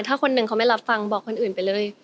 ถ้าคนหนึ่งเขาไม่รับฟังบอกคนอื่นไปเลย